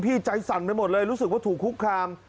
ใจสั่นไปหมดเลยรู้สึกว่าถูกคุกคาม